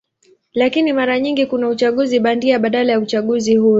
Lakini mara nyingi kuna uchaguzi bandia badala ya uchaguzi huru.